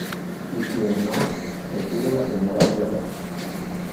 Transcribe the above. y quien no, que tire la primera piedra.